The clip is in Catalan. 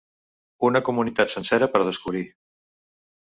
Una comunitat sencera per a descobrir!